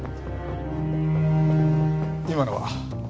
今のは？